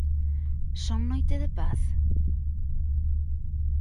Son Noite de paz?